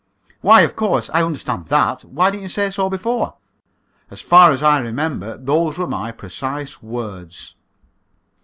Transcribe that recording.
"Why, of course, I understand that. Why didn't you say so before?" "As far as I remember, those were my precise words."